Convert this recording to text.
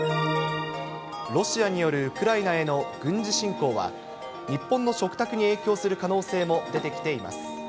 ロシアによるウクライナへの軍事侵攻は、日本の食卓に影響する可能性も出てきています。